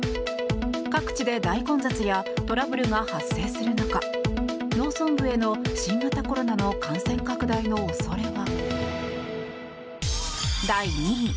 各地で大混雑やトラブルが発生する中農村部への新型コロナの感染拡大の恐れは。